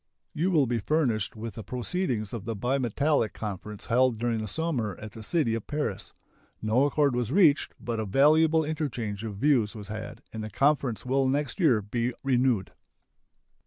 You will be furnished with the proceedings of the Bimetallic Conference held during the summer at the city of Paris. No accord was reached, but a valuable interchange of views was had, and the conference will next year be renewed.